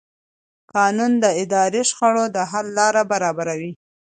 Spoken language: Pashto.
قانون د اداري شخړو د حل لاره برابروي.